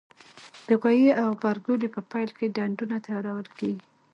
د غويي او غبرګولي په پیل کې ډنډونه تیارول کېږي.